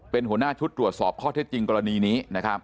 เป็นหัวหน้าชุดตรวจสอบข้อเท็จจริงกรณีนี้